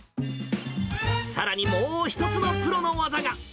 さらにもう一つのプロの技が。